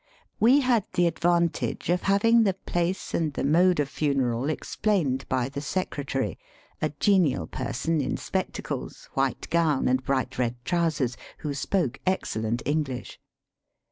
We had the advantage of having the place and the mode of funeral explained by the secretary, a genial person in spectacles, white gown, and bright red trousers, who spoke excellent English.